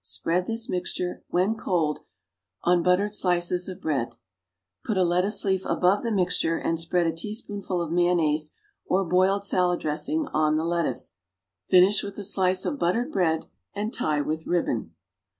Spread this mixture, when cold, on buttered slices of bread, put a lettuce leaf above the mixture, and spread a teaspoonful of mayonnaise or boiled salad dressing on the lettuce; finish with a slice of buttered bread and tie with ribbon.